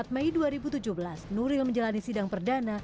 empat mei dua ribu tujuh belas nuril menjalani sidang perdana